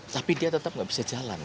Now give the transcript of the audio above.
tapi dia tetap nggak bisa jalan